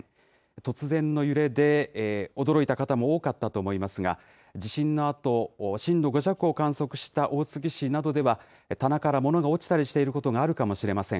突然の揺れで驚いた方も多かったと思いますが、地震のあと、震度５弱を観測した大月市などでは、棚から物が落ちたりしていることがあるかもしれません。